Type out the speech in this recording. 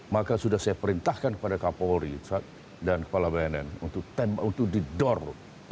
maka sudah saya perintahkan kepada kapolri dan kepala bnn untuk didor